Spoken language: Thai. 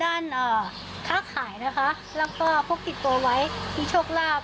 ด้านอ่าค้าขายนะคะแล้วก็พบติดตัวไว้ที่โชคราบ